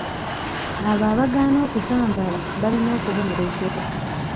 Abo abaagaana okuzambala balina okubonerezebwa.